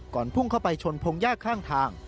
พุ่งเข้าไปชนพงยากข้างทาง